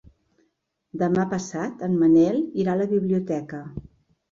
Demà passat en Manel irà a la biblioteca.